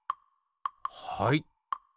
はい。